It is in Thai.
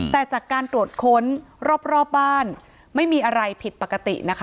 แต่จากการตรวจค้นรอบบ้านไม่มีอะไรผิดปกตินะคะ